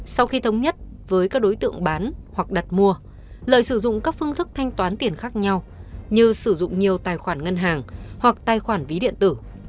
sau khi thống nhất với các đối tượng bán hoặc đặt mua lợi sử dụng các phương thức thanh toán tiền khác nhau như sử dụng nhiều tài khoản ngân hàng hoặc tài khoản ví điện tử